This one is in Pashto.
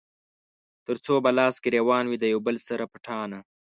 تر څو به لاس ګرېوان وي د يو بل سره پټانــه